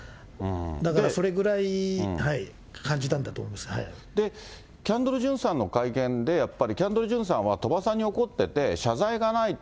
だからそれぐらい、感じたんだとキャンドル・ジュンさんの会見で、やっぱり、キャンドル・ジュンさんは、鳥羽さんに怒ってて、謝罪がないと。